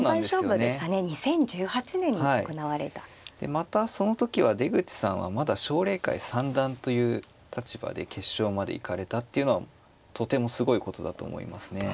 またその時は出口さんはまだ奨励会三段という立場で決勝まで行かれたっていうのはとてもすごいことだと思いますね。